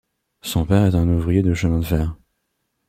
Son père est un ouvrier de chemin de fer.